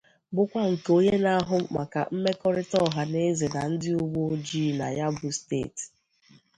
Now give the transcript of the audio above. bụkwa nke onye na-ahụ maka mmekọrịta ọhanaeze na ndị uwe ojii na ya bụ steeti